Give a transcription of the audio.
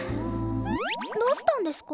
どうしたんですか？